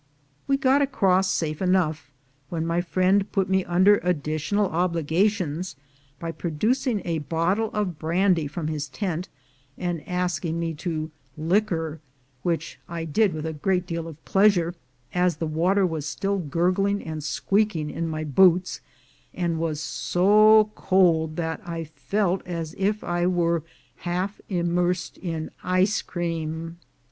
We got across safe enough, when my friend put me under additional obligations by producing a bottle of brandy from his tent and asking me to "liquor," which I did with a great deal of pleasure, as the water was still gurgling and squeaking in my boots, and was so cold that I felt as if I were half immersed in ice cream.